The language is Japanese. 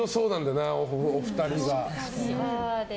なお二人が。